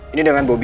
ini dengan bobby